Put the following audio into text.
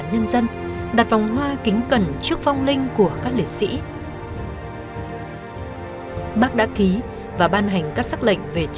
nhân dân đặt vòng hoa kính cẩn trước phong linh của các liệt sĩ bác đã ký và ban hành các sắc lệnh về